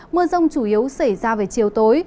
mưa rông chủ yếu xảy ra về chiều tối